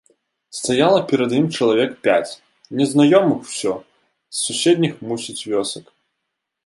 Стаяла перад ім чалавек пяць, незнаёмых усё, з суседніх, мусіць, вёсак.